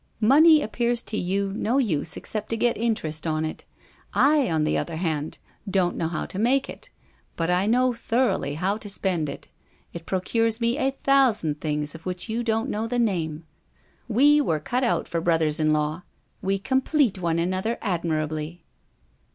Money appears to you no use except to get interest on it. I, on the other hand, don't know how to make it, but I know thoroughly how to spend it. It procures me a thousand things of which you don't know the name. We were cut out for brothers in law. We complete one another admirably."